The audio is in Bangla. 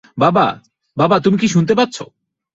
বাবা, তুমি কি শুনতে পাচ্ছো?